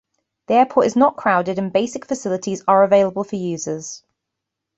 The airport is not crowded and basic facilities are available for users.